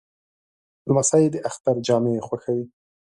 لمسی د اختر جامې خوښوي.